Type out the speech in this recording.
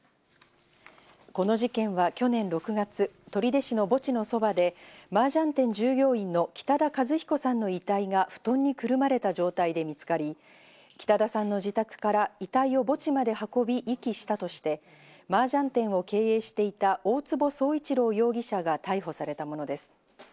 この事件は去年６月、取手市の墓地のそばでマージャン店従業員の北田和彦さんの遺体が布団にくるまれた状態で見つかり、北田さんの自宅から遺体を墓地まで運び、遺棄したとして、マージャン店を経営していた大坪宗一郎容疑者が逮捕されたものです。